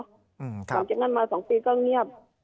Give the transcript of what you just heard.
หลังจากนั้นมา๒ปีก็เงียบ